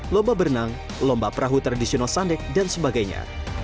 lomba berenang lomba perahu tradisional sandek dan sebagainya